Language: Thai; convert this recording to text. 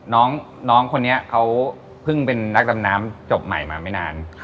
น้องคนนี้เขาเพิ่งเป็นนักดำน้ำจบใหม่มาไม่นาน